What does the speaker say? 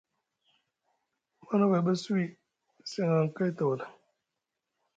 Manavay ɓa suwi seŋ aŋkay tawala.